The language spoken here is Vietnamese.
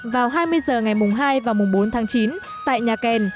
vào hai mươi h ngày mùng hai và mùng bốn tháng chín tại nhà kèn